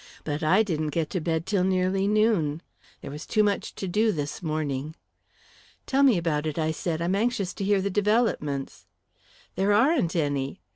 "But I didn't get to bed till nearly noon. There was too much to do, this morning." "Tell me about it," I said. "I'm anxious to hear the developments." "There aren't any."